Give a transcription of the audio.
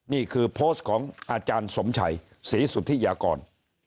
นี่คือโพสต์ของอาจารย์สมชัยศรีสุธิยากร